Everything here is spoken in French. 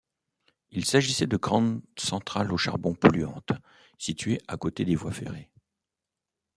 Il s'agissait de grandes centrales au charbon polluantes situées à côté des voies ferrées.